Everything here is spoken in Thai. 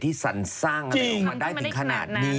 ที่สรรสร้างมาได้ถึงขนาดนี้